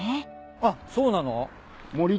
あっそうなの？